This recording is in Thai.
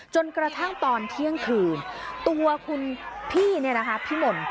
จนกระทั่งตอนเที่ยงคืนตัวคุณพี่เนี่ยนะคะพี่มนต์